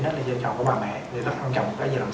đó là vai trò của bà mẹ nên rất quan trọng